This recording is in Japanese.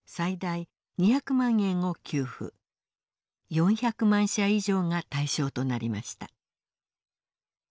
４００万社以上が対象となりました。